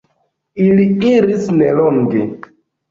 Ili iris nelonge.